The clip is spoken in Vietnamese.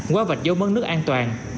quá vạch dấu mấn nước an toàn